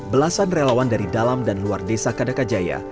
belasan relawan dari dalam dan luar desa kadakajaya